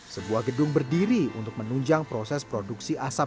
sebuah gedung berdiri untuk menunjang proses produksi asap